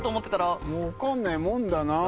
分かんないもんだな。